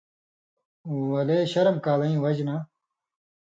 ولے شرم کالَیں وجہۡ نہ